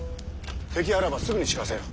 敵あらばすぐに知らせよ。